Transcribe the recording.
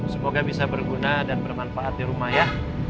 semoga bisa berguna dan bermanfaat di rumah ya